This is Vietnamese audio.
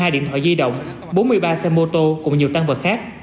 hai mươi hai điện thoại di động bốn mươi ba xe mô tô cùng nhiều tăng vật khác